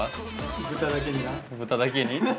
豚だけにな。